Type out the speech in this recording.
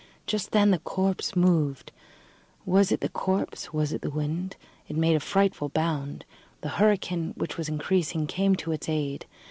Just then the corpse moved. Was it the corpse? Was it the wind? It made a frightful bound. The hurricane, which was increasing, came to its aid.